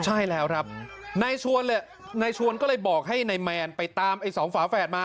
ใช่แล้วครับนายชวนเลยนายชวนก็เลยบอกให้นายแมนไปตามไอ้สองฝาแฝดมา